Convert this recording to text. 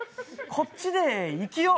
こっちでいきよう。